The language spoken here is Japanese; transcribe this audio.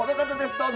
どうぞ！